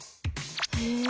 へえ。